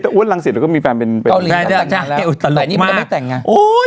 แต่อ้วนรังศิรกรก็มีแฟนเป็นเตี่ยวก่อน